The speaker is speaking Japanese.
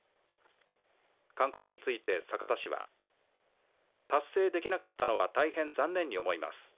勧告について酒田市は達成できなかったのは大変残念に思います